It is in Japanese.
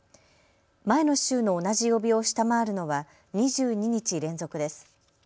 前の週の同じ曜日を下回るのは２２日連続です。